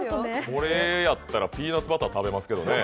俺やったらピーナッツバター食べますけどね。